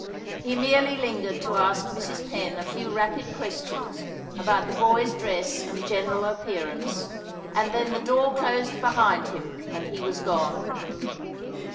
He merely lingered to ask Mrs. Penn a few rapid questions about the boy's dress and general appearance, and then the door closed behind him, and he was gone.